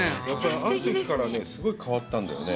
あのときから、すごい変わったんだよね。